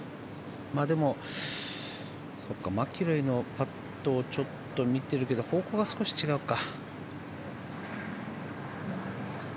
でも、マキロイのパットを見てるけど方向が少し違うか。